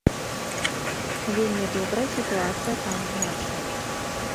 Вельмі добрая сітуацыя там з мясам.